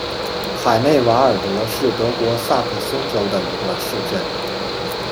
海内瓦尔德是德国萨克森州的一个市镇。